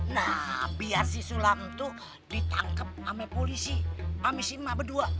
nah biar si sulang tuh ditangkep ama polisi ama si ma berdua